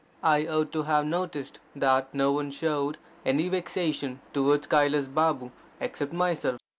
I ought to have noticed that no one showed any vexation towards Kailas Babu except myself.